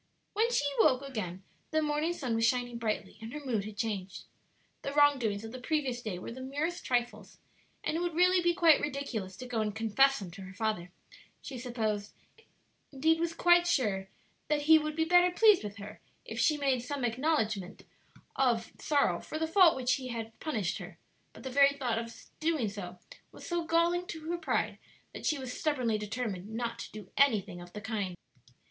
When she awoke again the morning sun was shining brightly, and her mood had changed. The wrong doings of the previous day were the merest trifles, and it would really be quite ridiculous to go and confess them to her father; she supposed, indeed was quite sure, that ha would be better pleased with her if she made some acknowledgment of sorrow for the fault for which he had punished her; but the very thought of doing so was so galling to her pride that she was stubbornly determined not to do anything of the kind.